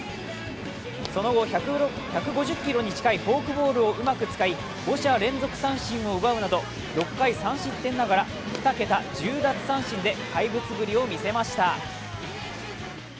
その後１５０キロに近いフォークボールをうまく使い、５者連続三振を奪うなど、６回３失点ながら２桁１０奪三振で怪物ぶりを見せました。